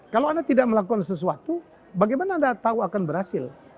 kalau anda tidak melakukan sesuatu bagaimana anda tahu akan berhasil